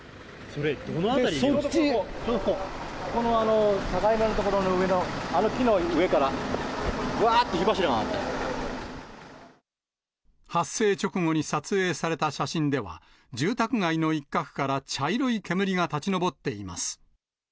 その境目のところのあの木の上から、発生直後に撮影された写真では、住宅街の一角から茶色い煙が立ち上っています。